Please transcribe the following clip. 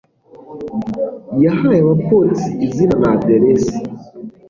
Yahaye abapolisi izina na aderesi.